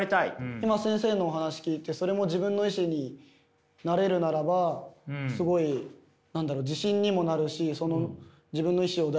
今先生のお話聞いてそれも自分の意志になれるならばすごい何だろう？